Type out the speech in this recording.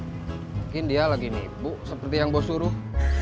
mungkin dia lagi nipu seperti yang gue suruh